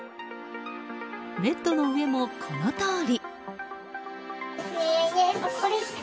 ベッドの上もこのとおり。